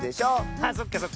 あっそっかそっか。